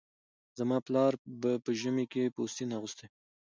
زما پلاره به ژمي کې پوستين اغوستی و